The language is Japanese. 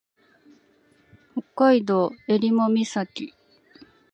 北海道襟裳岬